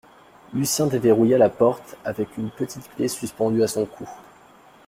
Lucien déverrouilla la porte avec une petite clé suspendue à son cou.